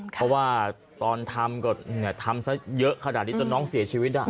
เพราะว่าตอนทำก็ทำซะเยอะขนาดนี้จนน้องเสียชีวิต